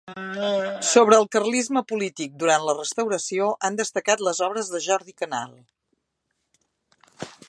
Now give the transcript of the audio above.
Sobre el carlisme polític durant la Restauració han destacat les obres de Jordi Canal.